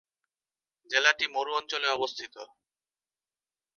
জেলাটি মরু অঞ্চলে অবস্থিত।